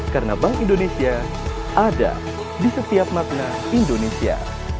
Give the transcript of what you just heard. karena bank indonesia ada di setiap makna indonesia